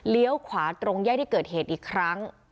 ขวาตรงแยกที่เกิดเหตุอีกครั้ง